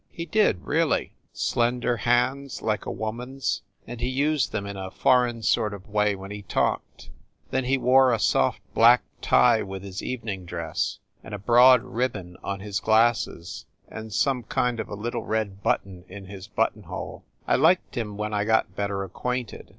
He did, really! Slender hands, like a woman s and he used them in a foreign sort of way when he talked. Then he wore a black soft tie with his evening dress, and a broad ribbon on his glasses, and some kind of a little red button in his button hole. I liked him when I got better ac quainted.